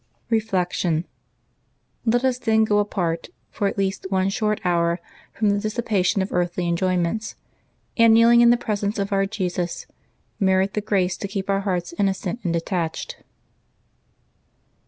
Reflection. — Let us then go apart, for at least one short hour, from the dissipation of earthly enjoyments, and, kneeling in the presence of our Jesus, merit the grace to keep our hearts innocent and detached.